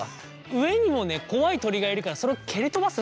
上にもね怖い鳥がいるからそれを蹴り飛ばすんだよね。